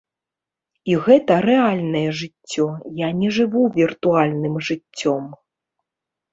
І гэта рэальнае жыццё, я не жыву віртуальным жыццём.